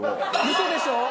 嘘でしょ！